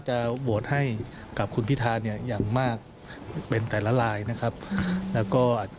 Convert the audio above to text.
จะโหวตให้กับคุณพิทาอย่างมากเป็นแต่ละลายนะครับ